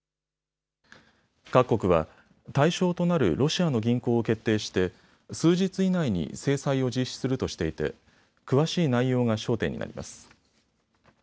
各国は対象となるロシアの銀行を決定して数日以内に制裁を実施するとしていて詳しい内容が焦点になります。